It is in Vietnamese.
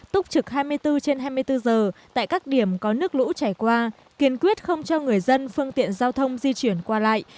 túc trực hai mươi bốn trên hai mươi bốn giờ tại các điểm có nước lũ trải qua kiên quyết không cho người dân phương tiện giao thông di chuyển qua lại